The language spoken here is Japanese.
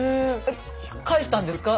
返したんですか？